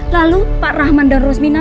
lalu pak rahman dan rusmina